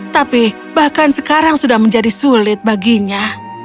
tapi bahkan sekarang sudah menjadi sulit baginya